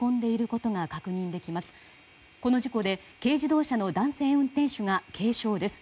この事故で、軽自動車の男性運転手が軽傷です。